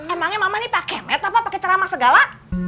emangnya mama ini pake met apa pake ceramah segala